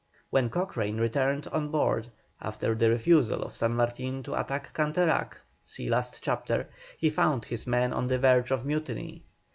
When Cochrane returned on board, after the refusal of San Martin to attack Canterac (see last chapter), he found his men on the verge of mutiny.